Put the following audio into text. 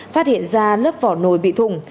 phát hiện ra lớp vỏ nồi bị thùng